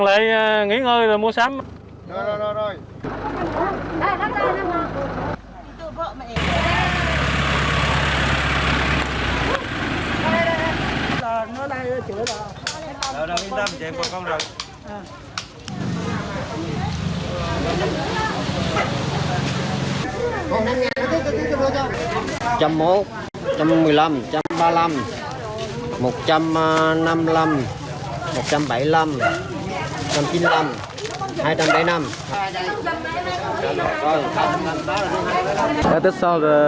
đi như bà con làm bà con brought